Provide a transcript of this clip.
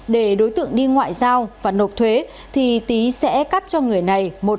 để đối tượng đi ngoại giao và nộp thuế thì tý sẽ cắt cho người này